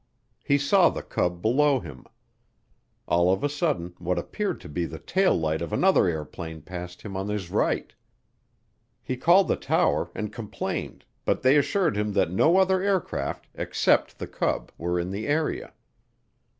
He saw the Cub below him. All of a sudden what appeared to be the taillight of another airplane passed him on his right. He called the tower and complained but they assured him that no other aircraft except the Cub were in the area.